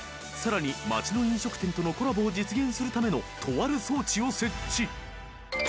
［さらに街の飲食店とのコラボを実現するためのとある装置を設置］